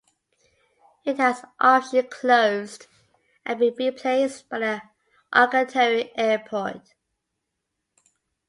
It has officially closed and been replaced by the Alcantari Airport.